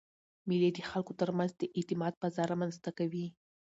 مېلې د خلکو ترمنځ د اعتماد فضا رامنځ ته کوي.